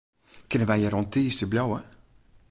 Kinne wy hjir oant tiisdei bliuwe?